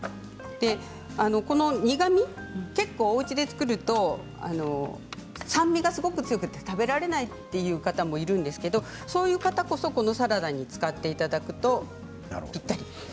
この苦み、結構おうちで作ると酸味がすごく強くて食べられないという方もいるんですけどそういう方こそサラダに使っていただくとぴったり。